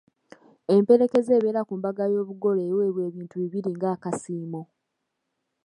Emperekeze ebeera ku mbaga y'obugole eweebwa ebintu bibiri ng'akasiimo.